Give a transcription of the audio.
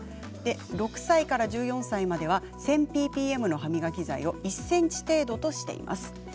６歳から１４歳までは１０００ｐｐｍの歯磨き剤を１ｃｍ程度としています。